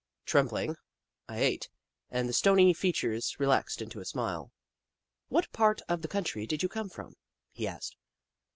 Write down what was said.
Trembling, I ate, and the stony features relaxed into a smile. " What part of the country did you come from ?" he asked.